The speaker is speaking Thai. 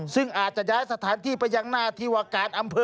ซึ่งอาจจะย้ายสถานที่ไปยังหน้าที่วาการอำเภอ